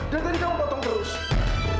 dan tadi kamu potong terus